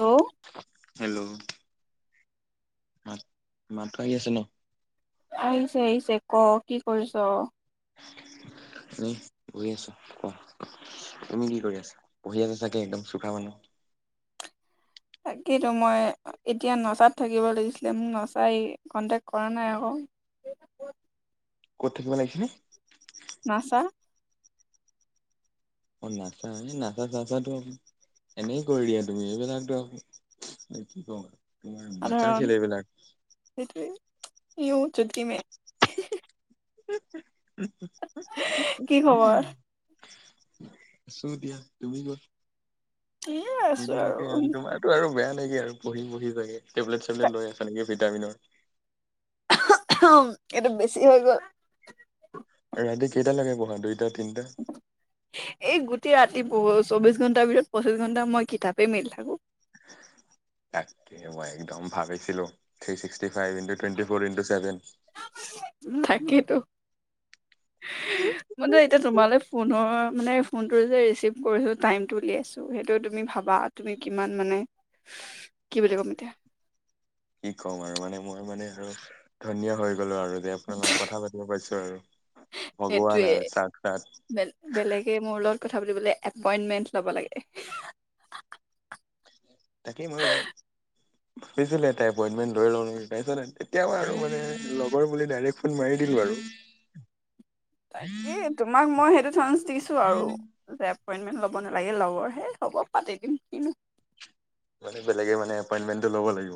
Hello hello. মাত মাত আহি আছে ন। আহিছে আহিছে ক কি কৰিছ। এনেই বহি আছোঁ কোৱা। তুমি কি কৰি আছা পঢ়ি আছা চাগে একদম চুকা মানুহ। তাকেতো মই এতিয়া নচাত থাকিব লাগিছিলে মোক নচাই কন্টেক্ কৰা নাই আকৌ। ক'ত থাকিব লাগিছিলে। নাছা। অ নাছা এই নাচা চাচা এনেই কৰি দিয়া তুমি এইবিলাকতো। কি কও তোমাৰ বাচ্ছাৰ সাধাৰণ খেল এইবিলাক। ইউ চুতকিমে হে হে। হু হু হু হু হু কি খবৰ? ওম। আছোঁ দিয়া তুমি ক'ত। এ মই আছো আৰু। ঠিকে তোমাৰতো আৰু বেয়া ন। নেকি আৰু পঢ়ি বহি চাগে টেবলেট চেবলেট লৈ আছা নেকি ভিটামিনৰ। ওহ ওহ এইটো বেছি হৈ গ'ল। ৰাতি কেইটা লাগে পঢ়া দুটাত। এই গোটেই ৰাতি পঢ়োঁ। চৌবিশ ঘণ্টাৰ ভিতৰত পঁচিছ ঘণ্টা মই কিতাপেই মেলি থাকোঁ। তাকে মই একদম ভাৱিছিলোঁ three sixty. Five hundred twenty four into seven. তাকেইতো মই দে এতিয়া তোমালৈ ফোনৰ। মানে ফোনটো যে ৰিচিভ কৰিছোঁ টাইটো উলিয়াইছোঁ সেইটো তুমি ভাবা তুমি কিমান মানে। [inaudible] কি বুলি ক'ম এতিয়া কি কম আৰু মানে মই মানে আৰু ধন্য হৈ। গ'লো আৰু দে আপোনাৰ লগত কথা পাতিব পাইছোঁ আৰু। ভগৱান সেইটোয়ে আৰু সাক্ষাৎ বে বেলেগে মোৰ লগত। কথা পাতিবলে এপইন্টমেন্ট লব লাগে। তাকে মই। ভাবিছিলোঁ এটাই এপইণ্টমেণ্ট লৈ লওঁ নেকি, তাৰপিছত এতিয়া আৰু মানে লগৰ বুলি ডাইৰেক্ট ফোন মাৰি কি বাৰু। তাকেই তোমাক মই সেইটো চান্স দিছোঁ আৰু যে এপইণ্টমেণ্ট ল'ব নালাগে লগৰহে হ'ব পাতি দিম কিনো। মানে বেলেগে মানে এপইন্টমেন্ট ল'ব লাগিব।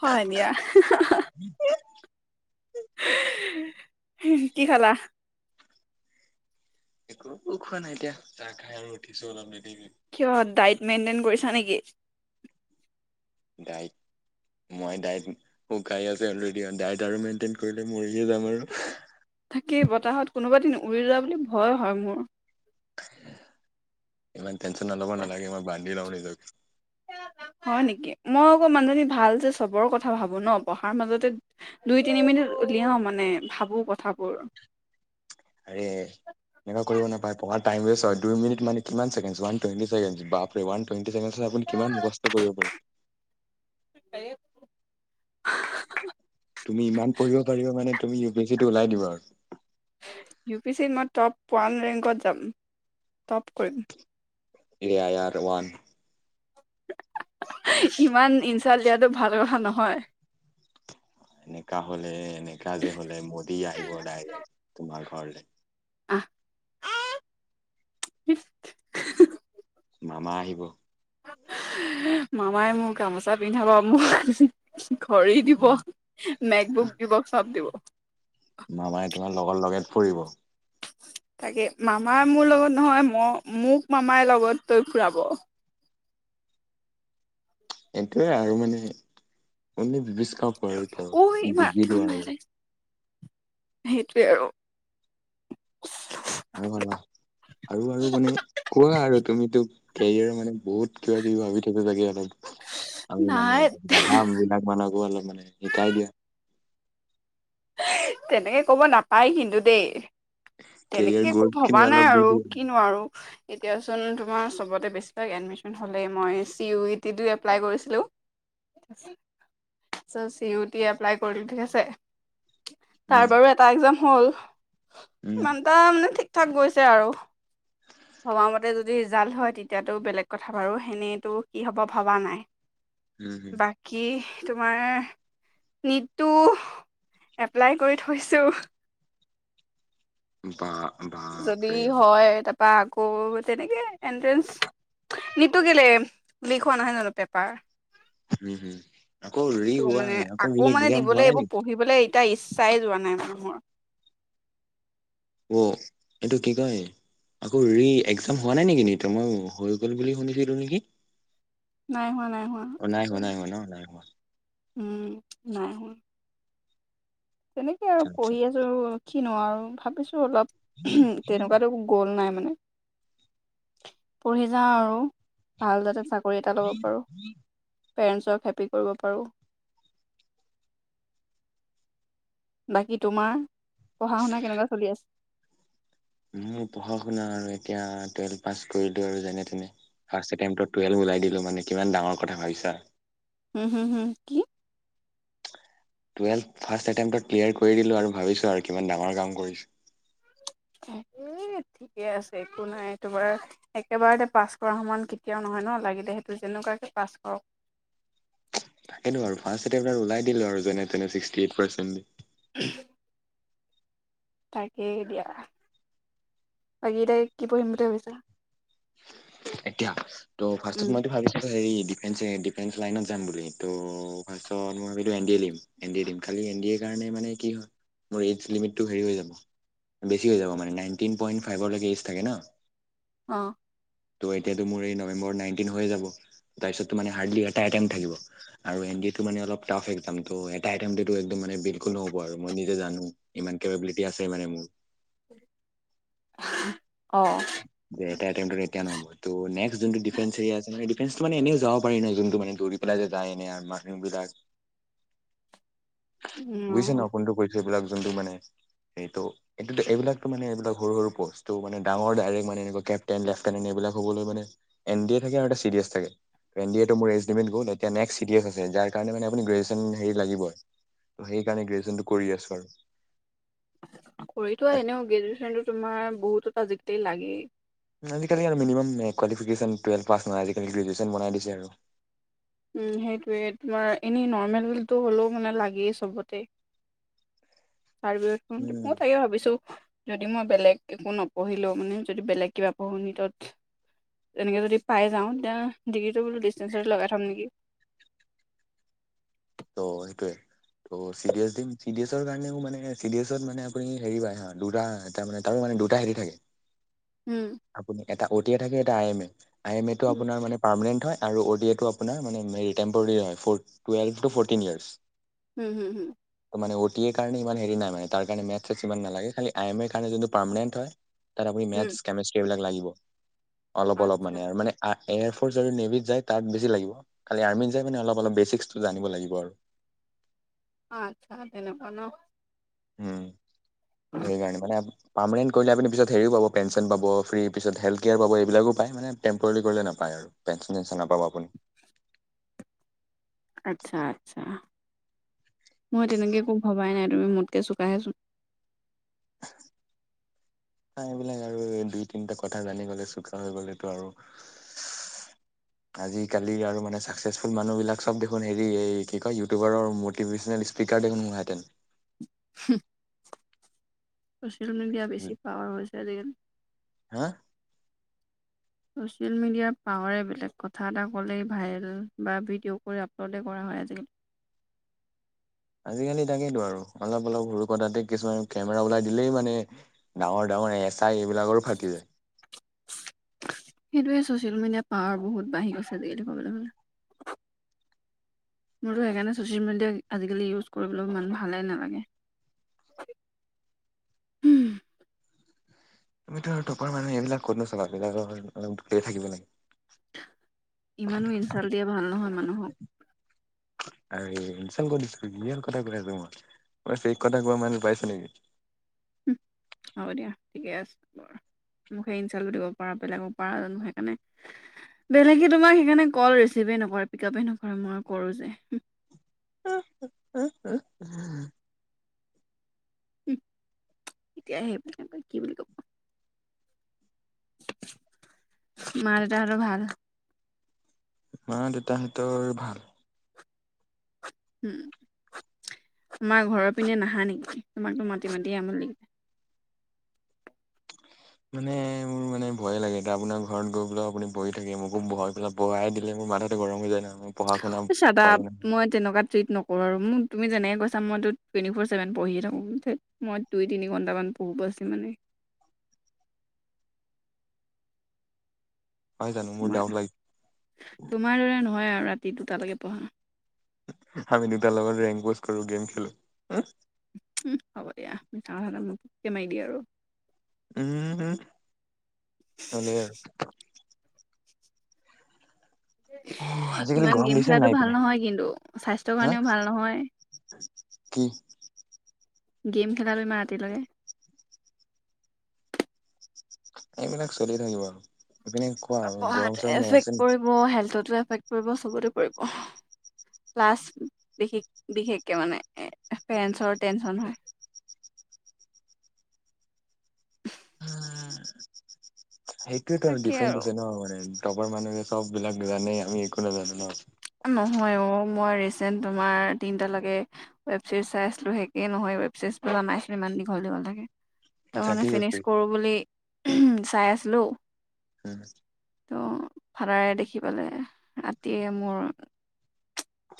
হয় দিয়া‌ হা হা হা। হে কি খালা? একো খোৱা নাই এতিয়া চাহ খাই আৰু উঠিছোঁ অলপ দেৰি। কিয় ডাইট মেইনটেইন কৰিছা নেকি? ডাইট। মই ডাইট শুকাই আছো অলৰেডি ডাইট আৰু মেইনটেইন কৰিলে মৰিয়ে যাম আৰু। থাকি বতাহত কোনোবাদিন উৰি যোৱা বুলি ভয় হয় মোৰ। ইমান তেনচন লব নালাগে মই বান্ধি লও নিজকে। হয় নেকি, মই অকৌ মানুহজনী ভাল যে চবৰ কথা ভাবো ন পঢ়াৰ মাজতে দুই- তিনিমিনিট উলিয়াও মানে ভাবো কথাবোৰ। আৰে, এনেকুৱা কৰিব নাপায় পঢ়াত টাইম ৱেচট হয়। দুই মিনি মানে কিমান ছেকেণ্ড ওৱান টোৱেণ্টি ছেকেণ্ডচ বাপৰে ৱান টোৱেন টি ছেকেণ্ডত আপুনি কিমান মুখস্থ কৰিব পাৰে। তুমি ইমান পঢ়িব পাৰিব মানে তুমি ইউ পি এছিটো ওলাই দিবা আৰু ইউ পি চি মই টপ ওৱান ৰেংকত যাম, টপ কৰিম। এ আয়াৰ ৱান। ইমান ইনছাল দিয়াটো ভাল কথা নহয়। এনেকা হলে এনেকা যে হলে মোদী আহিব ডাইৰেক্ট তোমাৰ ঘৰলৈ। আহ। মামা আহিব। আহ মামাই মোৰ গামোচা পিন্ধাব মোক। ঘড়ী দিব, নেগবুক দিব চব দিব। মামাই তোমাৰ লগৰ লগে ফুৰিব। তাকে, মামা মোৰ লগত নহয় ম মোক মামাই লগত তই ফুৰাব। সেইটোৱে আৰু মানে কোনদিন বিচ খাপ আৰু ঐ ক ইমান ৰাতিখন গুজিলো বাজি আৰু। লাগিছে সেইটোৱে আৰু। আৰু ভাবা। আৰু আৰু মানে কোৱা আৰু তুমিতো কেৰিয়াৰ মানে বহুত কিবা -কিবি ভাবি থাকো চাগে অলপ। আমি নাই মানে গাধাবিলাক মানুহকো অলপ মানে শিকাই দিয়া। তেনেকে কব নাপায় কিন্তু দেই। কেৰিয়াৰ তেনেকে একো গ'ল খিনি ভবা নাই অলপ দি আৰু দিয়ে কিনো আৰু এতিয়াচোন তোমাৰ চবতে বেছিভাগ এডমিশন হ'লেই মই চি ইউ ই টিতো এপ্লাই কৰিছিলোঁ। চ চি ইউটি এপ্লাই কৰিলো ঠিক আছে। তাৰ উম বাৰু এটা একজাম হ'ল, উম ইমানটা মানে ঠিক থাক গৈছে আৰু। ভবা মতে যদি ৰিজাল্ট হয় তেতিয়াতো বেলেগ কথা বাৰু সেনেইতো কি হব ভবা নাই। উম হম বাকী তোমাৰ নিটটো এপ্লাই কৰি থৈছো। বা! যদি বাপৰে বাপ হয় তাৰপা আক তেনেকে এণ্ট্ৰেন্স, নিটটো কেলে লিক হোৱা নাই জানো পেপাৰ? উম হম আকৌ ৰি ত হোৱা মানে ৰি আকৌ মানে এক্জাম হোৱা দিবলৈ নাই এইবোৰ নেকি পঢ়িবলৈ এটা ইচ্ছাই যোৱা নাই মানুহৰ। অ ইটো কি কয়? আকৌ ৰি একজাম হোৱা নাই নেকি ন মই হৈ গল বুলি শুনিছিলো নেকি নাই হোৱা নাই হোৱা অ নাই হ নাই হ ন নাই হ। উম নাই হোৱা তেনেকে আৰু আচ্ছা আচ্ছা পঢ়ি আছো কিনো আৰু ভাবিছো। অলপ উম তেনেকুৱাতো গ'ল নাই মানে। পঢ়ি যাওঁ আৰু- ভাল যাগাত চাকৰি এটা ল'ব পাৰোঁ। পেৰেণ্টছক হেপি কৰিব পাৰোঁ। বাকী তোমাৰ পঢ়া শুনা কেনেকুৱা চলি আছে? মোৰ পঢ়া শুনা আৰু এতিয়া টুৱেলভ পাছ কৰিলো আৰু যেনে তেনে- ৰ্ফাষ্ট এটেমটোত টুৱেল্‌ভ ওলাই দিলো মানে, কিমান ডাঙৰ কথা ভাৱিছা? হোঁ, হোঁ, হোঁ কি? টুৱেলভ ফাৰ্ষ্ট এটেম্পটত্‌ ক্লিয়াৰ কৰি দিলোঁ আৰু ভাৱিছোৱা আৰু কিমান ডাঙৰ কাম কৰিছোঁ। ভইচৰ মাত নাই এনে ঠিকে আছে, একো নাই। তোমাৰ একেবাৰতে পাছ কৰা সমান কেতিয়াও নহয় ন' লাগিলে সেইটো যেনেকুৱাকে পাছ কৰক। তাকেটো আৰু ৰ্ফাষ্ট এটেম্পত ওলাই দিলো আৰু যেনে- তেনে চিক্সটি এইট ৰ্পাছেণ্ট উম তাকেই দিয়া। বাকি এতিয়া কি পঢ়িম বুলি ভাৱিছা? এতিয়া, ত' উম ফাৰ্ষ্টত মইতো ভাবিছিলোঁ হেৰি ডিফেঞ্চে, ডিফেন্স লাইনত যাম বুলি ত' ৰ্ফাষ্টত মই ভাৱিলোঁ এন ডি এ দিম। এন ডি এ দিম, খালি এন ডি এ কা কাৰনে মানে কি হ'য়, মোৰ এইজ লিমিত্‌টো হেৰি হৈ যাব। বেছি হৈ যাব। মানে, নাইনটিন পইণ্ট ফাইভৰলৈকে এইজ থাকে ন' অ ত' এতিয়াটো মোৰ এই নৱেম্বৰত নাইন্‌টিন হৈ যাব। তাৰপিছতটো মানে হাৰ্ডলি- টা আইটেম থাকিব। আৰু এন ডি এ টো মানে অলপ টাফ হ'য় এক্সামটো এটা আইটেমতোটো একদম মানে বিলকুল নহ'ব আৰু মই নিজে জানোঁ। কিমান কেপাবিলিতি আছে মানে মোৰ [unintelligible] যে এটা আইটেম্‌টো এতিয়া নহ'ব। টো নেক্স যোনটো ডিফেন্স এৰিয়া আছে নহ'য়, ডি ফ্ৰেন্সটো মানে এনেও যাব পাৰি ন'? যোনটো মানে দৌৰি পেলাই যে যায়, এনে আ মানুহ বিলাক- বুজিছে ন'? উম কোনটো কৈছো এইবিলাক। যোনটো মানে, এইটো এটো তু এইবিলাকটো, মানে এইবিলাক সৰু সৰু পষ্টটো মানে- ডাঙৰ ডাইৰেক্ট মানে এনেকুৱা কেপ্টেইন, লেফ্‌টেনেণ্ট এইবিলাক হ'বলৈ মানে এন ড এ থাকে আৰু এটা চি ডি এচ থাকে। এন ডি এ মোৰ এইজ লিমিট গ'ল এতিয়া নেক্সট চি ডি এচ আছে যাৰ কাৰণে মানে গ্ৰেজুৱেচনটো হেৰি লাগিব ত' সেইকাৰণে গ্ৰেজুৱেচনটো কৰি আছো আৰু। কৰি থোৱা তাক এনেও গ্ৰেজুৱেচনটো তোমাৰ বহুতৰ মাজতেই লাগে। আজি-কালি আৰু মিনিমাম এ কোৱালিফিকেশ্যন টুৱেল্ভ পাছ নহয়। আজি-কালি গ্ৰেজুৱেচন বনাই দিছে আৰু। উম, সেইটোৱে তোমাৰ এনেই নৰ্মেলটো হ'লেও মানে, লাগেই চবতে। ভইচৰ মাত নাই ৰ্থাডগ্ৰেটটো মই তাকে ভাৱিছোঁ। যদি মই বেলেগ একো নপঢ়িলো। মানে, যদি বেলেগ কিবা পঢ়ো নীতত তেনেকে যদি পাই যাওঁ তেতিয়া ডিগ্ৰীটো বোলো, ডিষ্টেঞ্চত লগাই থম নেকি? কি ত' সেইটোৱে। ত' চি ডি এছ দিম, চি ডি এছৰ কাৰণেও মানে, চি ডি এছত মানে আপুনি হেৰি পায় হা দুটা তাৰমানে তাৰোমানে- দুটা হেৰি থাকে উম - আপোনি এটা অ টি আই থাকে এটা I M A, I M A টো উম আপোনাৰ মানে, ৰ্পামেনেণ্ট হ'য় আৰু অ টি এ টো আপোনাৰ মানে, মেৰি টেম্পৰীয়ে হ'য়। Twelve to fourteen minutes. হোঁম, হোঁম, হোঁম মানে, অ' টি এ ৰ কাৰণে ইমান হেৰি নাই মানে, তাৰ কাৰণে মেথচ্‌-চেথচ্‌ সিমান নালাগে। খালি, আই এম এ ৰ কাৰণ যোনটো পাৰমানেণ্ট হ'য় তাত আপুনি হুম মেথছ্‌, কেমেষ্ট্ৰি এইবিলাক লাগিব। অলপ অলপ আচ্ছা মানে আৰু মানে, আৰ্‌ এয়াৰফৰ্চ আৰু নেভিত যায় তাত বেছি লাগিব। খালি, আৰ্মিত যায় মানে, অলপ অলপ বেচিক্সটো জানিব লাগিব। দিব আৰু। আচ্ছা, তেনেকুৱা ন'? উম, আৰু জানিব নে আপু পাৰ্মেনেণ্ট কৰিলে আপুনি পিছত হেৰিও পাব, পেঞ্চন পাব, ফ্ৰী পিছ, হেল্থ কেয়াৰ পাব। এইবিলাকো পায় মানে, টেম্প্ৰৰিলি কৰিলে নাপায়। পেঞ্চন- চেঞ্চন নাপাব আপুনি। আচ্ছা, আচ্ছা। মই তেনেকে একো ভৱাই নাই। তুমি মোতকে চোকাহেচোন? আ, এইবিলাক আৰু দুই -তিনিটা কথা জানি গ'লে, চোকা হৈ গ'লেটো আৰু। [unintelligible] আজিকালি আৰু মানে চাকচেচফুল আজিকালি আৰু চাকছেছ মানুহবিলাক চব দেখোন হেৰি এই কি কয় ইউটিউবাৰৰ মটিভেশ্যনেল স্পীকাৰ। মন। হুমহ। চ'চিয়েল মিডিয়া বেছি পাৱাৰ হৈছে আজিকালি। হা। চচিয়েল মিডিয়াৰ পাৱাৰে বেলেগ কথা এটা কলে ভাইৰেল বা ভিডিঅ' কৰি আপলোড কৰা হয়। হয় আজিকালি। [unintelligible] আজিকালি তাকেইেতটো আৰু আজিকালি তাকেতো অলপ অলপ সৰু কথাতে কিছুমান কেমেৰা ওলাই দিলেই মানে ডাঙৰ ডাঙৰ। এচা এইবিলাকৰো ফাটি যায়। সেইটোৱে ছচিয়েল মিডিয়াৰ পাৱাৰ বহুত বাঢ়ি গৈছে আজিকালি কবলৈ গলে। মোৰতো সেইকাৰণে ছ'চিয়েল মিডিয়া আজিকালি ইউজ কৰিবলৈ মানুহ ভালেই নালাগে। [unintelligible] তুমিতো টপৰ মানে এইবিলাক ক'ত নো চলাবা এইবিলাকৰ পৰা দূৰত থাকিব লাগে। ইমানো ইনচালট দিয়া ভাল নহয় মানুহক। আৰে ইনচাল্ট কত দিছো ৰিয়েল কথা কৈ আছো মই ফেক কথা কোৱা মানুহ পাইছ নেকি? উম হব দিয়া ঠিকে আছে। মুকেই ইনঞ্চালো দিব পাৰা বেলেগৰ পাৰা জানো সেইকাৰণে। বেলেগে তোমাৰ সেইকাৰণে কল ৰিচিভ য়ে নকৰে পিকাবে নকৰে মই কৰোঁ যে হম। উ উ হা। হুম এতিয়া সে বুলি নকৈ কি বুলি কব। মা দেউতা হতৰ ভাল? মা দেউতাহতৰ ভাল। উম। তোমাৰ ঘৰৰ পিনে নাহা নেকি তোমাকতো মাতি মাতিয়ে আমণি লাগিলে। মানে উ। মানে ভয়োগে এয়া আপোনাৰ ঘৰত ভয়ে লাগে আপোনাৰ ঘৰত গৈ বহি থাকে মোকো বহাই পেলাই পৰাই দিলে মাথাটো গৰম হৈ যায় ন। অ চাতাপ মই তেনেকুৱা ট্ৰিট নকৰো আৰু মোক তুমি যেনেকে গৈছ। মই টোৱেন্টি ফৰ ছেভেন পঢ়িয়ে থাকো মই দুই তিনি ঘন্টা মান পঢ়ো বছ ইমানেই। [unintelligible] নহয় জানো মোৰ তোমাৰ ডাউট লাগে তোমাৰ দৰে নহয় আৰু ৰাতি দুটালৈকে পঢ়া। আমি দুটাৰ লগত ৰেংক বজ কৰো গেম খেলো। উম হ'ব দিয়া মিছা কথা মুখতে মাৰি দিয় আৰু। উম উম হলেই আৰু। অ আজিকালি ইমান গৰম গেম দিছে খেলাটো নাই সেই ভাল পিনে নহয় কিন্তু স্বাস্থ্যৰ আৰু কাৰণেও ভাল নহয় হা। কি? গেম খেলা বেমাৰ ইমান ৰাতিলৈকে। এইবিলাক চলি থাকিব আৰু। এইপিনে কোৱা আৰু গৰম পঢ়াত চৰম হৈ আছে এফেক্ট নি পৰিব হেল্থতো এফেক্ট পৰিব চবতে পৰিব। ক্লাছ বিশেষ বিশেষকে মানে পেৰেন্ৰ টেনচন হয়। [inaudible] সেইটোৱে ত তাকে ডিফাৰেন্ট আৰু আছে ন মানে টপাৰ মানুহে চব বিলাক জানে। আমি একো নাজানো ন। নহয়, অ মই ৰিচেন্ট তোমাৰ তিনটা লৈকে ৱেব চিৰিজ চাই আছিলো, শেষে নহয় ৱেব চিৰিজ তা [unintelligible] ইমান দীঘল দীঘল থাকে। তাৰ আচ্ছা কি মানে ৱেব ফিনিছ কৰো বুলি উমহ চাই আছিলো। [unintelligible] ত ফাদাৰে দেখি পালে ৰাতিয়ে মোৰ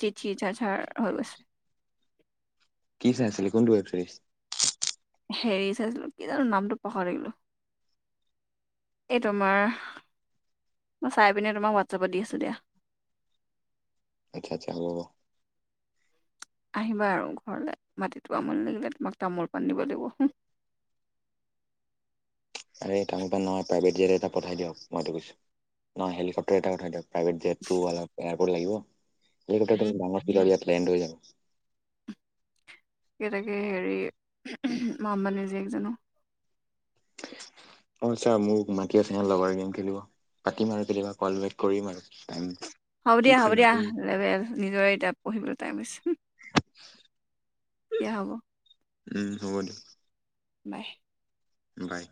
জিজি যাঝাৰ হৈ গৈছে। কি চাই আছিলি কোনটো ৱেব চিৰিজ? হেৰি চাইছিলো কি জানো নামটো পাহৰি থাকিলো। এই তোমাৰ মই চাই পিনে তোমাক হোৱাটছআপত দি আছো দিয়া। আচ্ছা, আচ্ছা হ'ব বাও। আহিবা আৰু ঘৰলে মাতিটো আমনি লাগিলে, তোমাক তামোল পাণ দিব লাগিব হুহ। হেই তামোল-পাণ নহয় প্ৰাইভেট হেৰি এটা পঠাই দিয়ক মইতো কৈছো। নহয় হেলিকপ্টাৰ এটা উঠাই দিয়ক। প্ৰাইভেত জেট [unintelligible] এয়াৰপৰ্ট লাগিব। এই [unintelligible] লেণ্ড হৈ যাব। তাকে তাকে হেৰি মই আম্বানী জিয়েক জানো? [inaudible] অ ছাৰ, মোক মাতি আছে লগৰ গেম খেলিব। পাতিম আৰু কেতিয়াবা কল বেক কৰিম আৰু। হ'ব কি দিয়া, হ'ব কৰিম দিয়া। আপুনি নিজৰে এতিয়া পঢ়িবলৈ টাইম‌ হৈছে হুহ। এয়া হ'ব। উম, হ'ব দিয়ক। বাই। বাই।